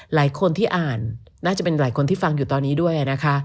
หลายคนที่อ่านน่าจะเป็นหลายคนที่ฟังอยู่ตอนนี้ด้วยนะคะ